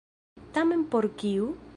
Tamen por kiu?